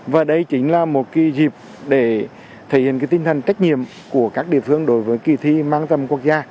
và đây chính là một dịp để thể hiện tinh thần trách nhiệm của các địa phương đối với kỳ thi mang tầm quốc gia